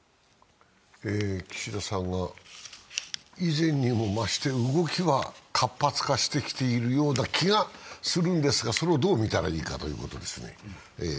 岸田さんが以前にも増して動きは活発化してきてるような気はするんですが、それをどう見たらいいかということですね。